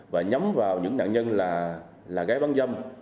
và nhắm vào những nạn nhân là gái bán dâm